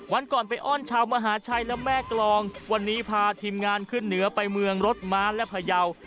วันก่อนไปอ้อนชาวมหาชัยและแม่กรองวันนี้พาทีมงานขึ้นเหนือไปเมืองรถม้าและพยาว